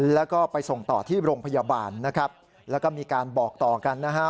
แล้วก็ไปส่งต่อที่โรงพยาบาลนะครับแล้วก็มีการบอกต่อกันนะฮะ